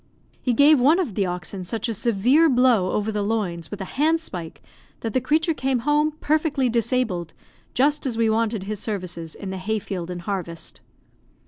He gave one of the oxen such a severe blow over the loins with a handspike that the creature came home perfectly disabled, just as we wanted his services in the hay field and harvest.